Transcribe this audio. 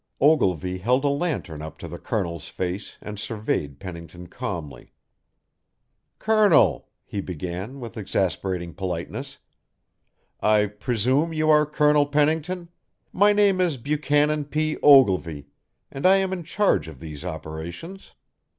Ogilvy held a lantern up to the Colonel's face and surveyed Pennington calmly. "Colonel," he began with exasperating politeness, " I presume you are Colonel Pennington my name is Buchanan P. Ogilvy, and I am in charge of these operations.